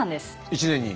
１年に。